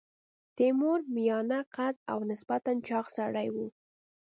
تیمور میانه قده او نسبتا چاغ سړی دی.